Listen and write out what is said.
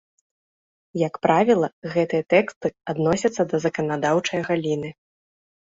Як правіла, гэтыя тэксты адносяцца да заканадаўчае галіны.